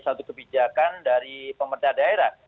satu kebijakan dari pemerintah daerah